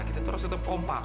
kita harus tetap rompak